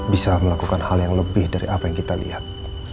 bisa melakukan hal yang lebih dari apa yang kita lihat